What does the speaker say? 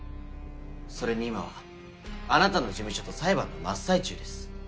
それに今はあなたの事務所と裁判の真っ最中です。